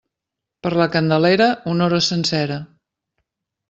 Per la Candelera, una hora sencera.